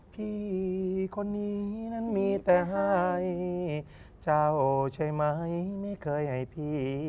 พี่คนนี้นั้นมีแต่ให้เจ้าใช่ไหมไม่เคยให้พี่